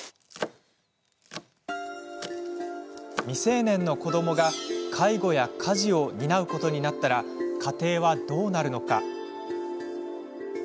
未成年の子どもが介護や家事を担うことになったら家庭はどうなるのか。